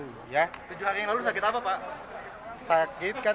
tujuh hari yang lalu sakit apa pak